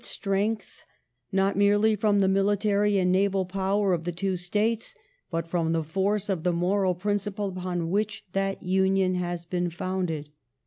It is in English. • 254 WAR AND PEACE [1855 strength not merely from the military and naval power of the two States, but from the force of the moral principle upon which that union has been founded.